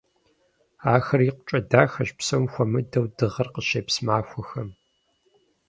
Ахэр икъукӀэ дахэщ, псом хуэмыдэу дыгъэр къыщепс махуэхэм.